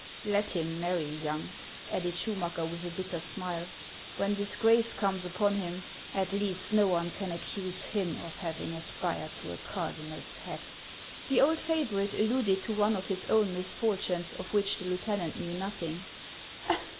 Let him marry young," added Schumacker with a bitter smile. " When disgrace comes upon him, at least no one can accuse him of having aspired to a cardinal's hat." The old favorite alluded to one of his own misfortunes, of which the lieutenant knew nothing.